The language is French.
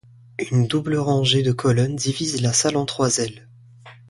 Une double rangée de colonnes divisent la salle en trois ailes.